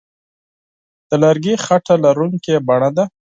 د لرګي خټه لرونکې بڼه ده.